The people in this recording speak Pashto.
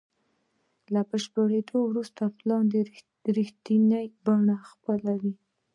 له بشپړېدو وروسته پلان رښتینې بڼه خپلوي.